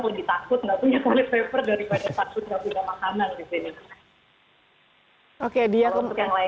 lebih takut tidak punya toilet paper daripada takut tidak punya makanan